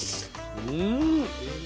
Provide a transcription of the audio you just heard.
うん。